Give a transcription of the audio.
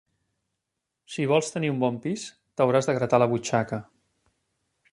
Si vols tenir un bon pis, t'hauràs de gratar la butxaca.